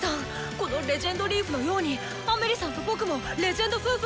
この『レジェンドリーフ』のようにアメリさんと僕も『レジェンド夫婦』になろう！」。